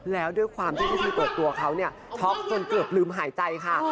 แล้วด้วยความที่พี่โดดตัวเขาช็อกจนเกือบลืมหายใจค่ะ